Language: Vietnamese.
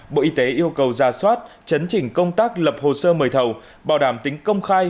bộ y tế yêu cầu ra soát chấn chỉnh công tác lập hồ sơ mời thầu bảo đảm tính công khai